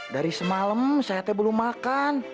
dari semalam sehatnya belum makan